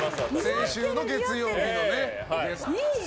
先週の月曜日のね、ゲスト。